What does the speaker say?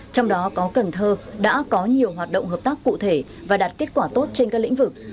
trong đó có cần thơ đã có nhiều hoạt động hợp tác cụ thể và đạt kết quả tốt trên các lĩnh vực